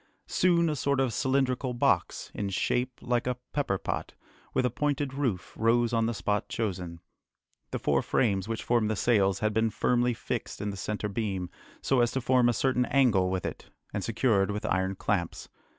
Soon a sort of cylindrical box, in shape like a pepperpot, with a pointed roof, rose on the spot chosen. The four frames which formed the sails had been firmly fixed in the centre beam, so as to form a certain angle with it, and secured with iron clamps.